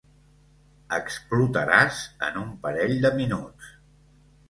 Explotaràs en un parell de minuts.